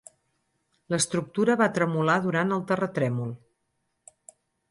L'estructura va tremolar durant el terratrèmol.